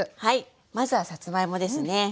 まずはさつまいもですね。